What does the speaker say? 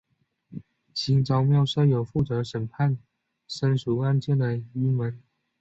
新召庙设有负责审判僧俗案件的衙门。